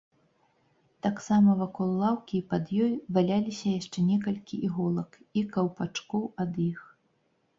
Таксама вакол лаўкі і пад ёй валяліся яшчэ некалькі іголак і каўпачкоў ад іх.